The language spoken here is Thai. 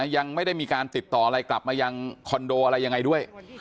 ยังไม่ได้มีการติดต่ออะไรกลับมายังคอนโดอะไรยังไงด้วย